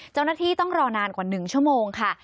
เจ้าหน้าที่ต้องรอนานกว่า๑ชั่วโมงค่ะ